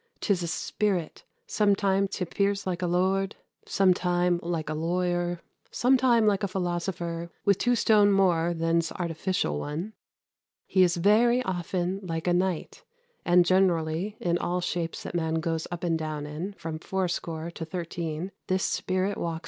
'Tis a spirit: sometime 't appears like a lord; sometime like a lawyer; sometime like a philosopher with two stones more than 's artificial one: he is very often like a knight; and, generally, in all shapes that man goes up and down in, from fourscore to thirteen, this spirit walks in."